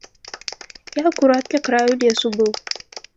Я акурат ля краю лесу быў.